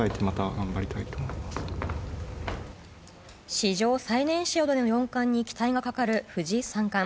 史上最年少での四冠に期待がかかる藤井三冠。